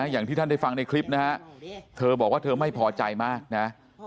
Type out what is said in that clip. อย่างที่ท่านได้ฟังในคลิปนะฮะเธอบอกว่าเธอไม่พอใจมากนะ